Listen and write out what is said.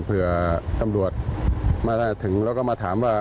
เผื่อตำรวจมาถึงแล้วก็มาถามว่า